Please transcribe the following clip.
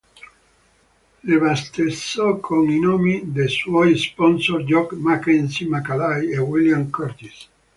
Le battezzò con i nomi del suoi sponsor George Mackenzie Macaulay e William Curtis.